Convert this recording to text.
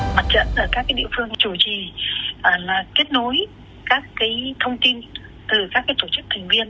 để từ đó có sự điều phối và phân công các tổ chức để đến với từng địa bản đến với thân nhân dân